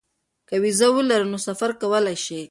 که وېزه ولري نو سفر کولی شي.